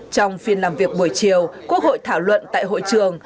trong phiên làm việc buổi chiều quốc hội thảo luận tại hội trường